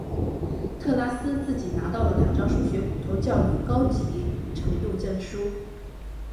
特拉斯自己拿到了两张数学普通教育高级程度证书。